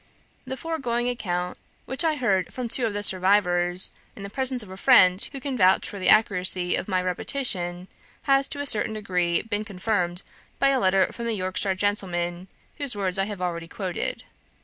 The foregoing account, which I heard from two of the survivors, in the presence of a friend who can vouch for the accuracy of my repetition, has to a certain degree been confirmed by a letter from the Yorkshire gentleman, whose words I have already quoted.